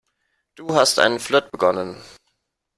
Du hast einen Flirt begonnen.